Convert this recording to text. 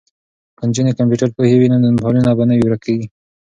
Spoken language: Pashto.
که نجونې کمپیوټر پوهې وي نو فایلونه به نه ورکیږي.